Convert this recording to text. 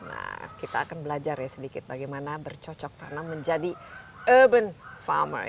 nah kita akan belajar ya sedikit bagaimana bercocok tanam menjadi urban farmer